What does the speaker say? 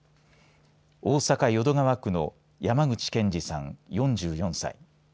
大阪・淀川区の山口健二さん、４４歳。